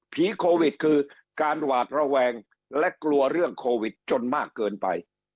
โควิดคือการหวาดระแวงและกลัวเรื่องโควิดจนมากเกินไป